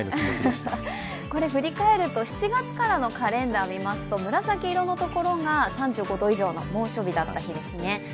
振り返ると７月からのカレンダー見ますと紫色のところが３５度以上の猛暑日だった日ですね。